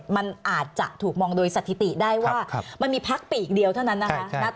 มันอาจจะถูกมองโดยสถิติได้ว่ามันมีพักปีกเดียวเท่านั้นนะคะ